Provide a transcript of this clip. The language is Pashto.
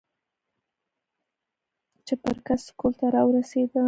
چې بر کڅ سکول ته راورسېدۀ ـ